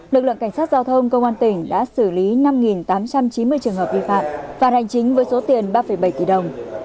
lực lượng cảnh sát giao thông công an tỉnh đã xử lý năm tám trăm chín mươi trường hợp vi phạm phạt hành chính với số tiền ba bảy tỷ đồng